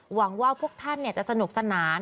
หวังว่าพวกท่านจะสนุกสนาน